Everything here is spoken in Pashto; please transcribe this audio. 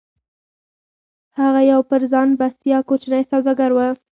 هغه يو پر ځان بسيا کوچنی سوداګر و.